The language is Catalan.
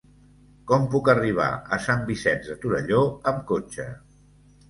Com puc arribar a Sant Vicenç de Torelló amb cotxe?